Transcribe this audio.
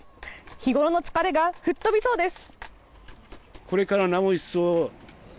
日頃の疲れが吹っ飛びそうです。